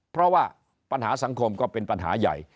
เพราะว่าปัญหาสังคมก็เป็นปัญหาใหญ่